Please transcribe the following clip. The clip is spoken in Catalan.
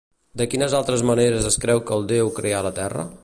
De quines altres maneres es creu que el déu creà la Terra?